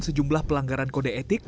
sejumlah pelanggaran kode etik